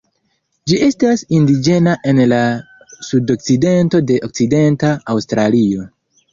Ĝi estas indiĝena en la sudokcidento de Okcidenta Aŭstralio.